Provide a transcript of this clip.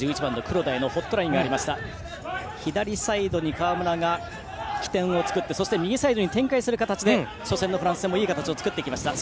左サイドに川村が起点を作って右サイドに展開する形で初戦のフランス戦もいい形を作りました。